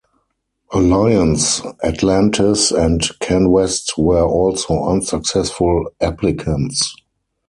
Alliance Atlantis and Canwest were also unsuccessful applicants.